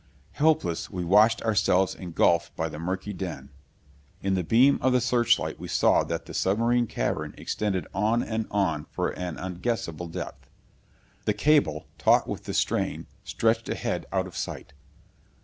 Helpless, we watched ourselves engulfed by the murky den. In the beam of the searchlight we saw that the submarine cavern extended on and on for an unguessable depth. The cable, taut with the strain, stretched ahead out of sight.